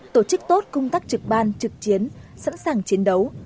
tổ chức tốt công tác trực ban trực chiến sẵn sàng chiến đấu